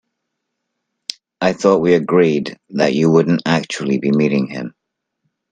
I thought we'd agreed that you wouldn't actually be meeting him?